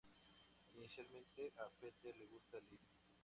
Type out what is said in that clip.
Inicialmente, a Peter le gusta Liz.